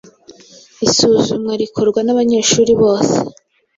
Isuzumwa rikorwa n’abanyeshuri bose